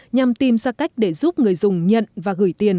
nhằm tìm ra cách để giúp người dùng nhận và gửi tiền